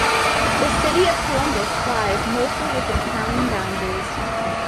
The city of Columbus lies mostly with the town boundaries.